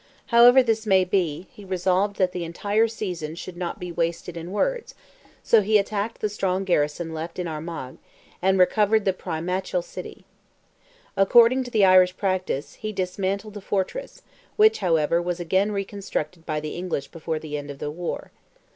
However this may be, he resolved that the entire season should not be wasted in words, so he attacked the strong garrison left in Armagh, and recovered the primatial city. According to the Irish practice, he dismantled the fortress, which, however, was again reconstructed by the English before the end of the war.